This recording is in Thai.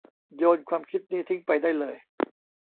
โยนความคิดนี้ทิ้งไปได้เลย